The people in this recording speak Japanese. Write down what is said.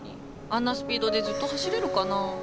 あんなスピードでずっと走れるかな？